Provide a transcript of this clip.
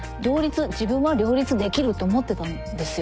自分は両立できると思ってたんですよ。